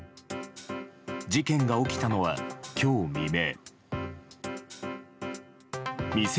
事件が起きたのは、今日未明。